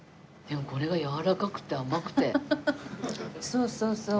そうそうそう。